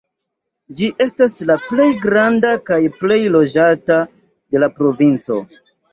Ĝi estas la plej granda kaj plej loĝata de la provinco.